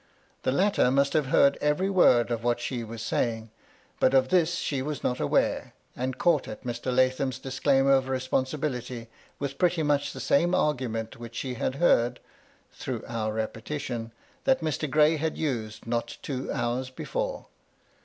The latter must have heard every word of what she was saying ; but of this she was not aware, and caught at Mr. Lathom's disclaimer of responsibility with pretty much the same argument which she had heard (through our repetition) that Mr. Gray had used not two hours before.